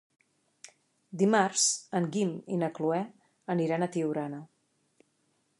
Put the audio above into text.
Dimarts en Guim i na Cloè aniran a Tiurana.